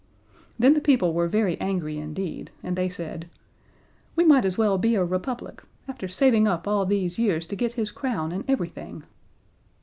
Then the people were very angry indeed, and they said: "We might as well be a Republic. After saving up all these years to get his crown, and everything!"